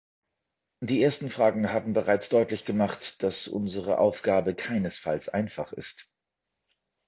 Die ersten Fragen haben bereits deutlich gemacht, dass unsere Aufgabe keinesfalls einfach ist.